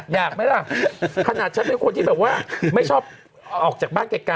อยากไหมล่ะขนาดฉันเป็นคนที่แบบว่าไม่ชอบออกจากบ้านไกล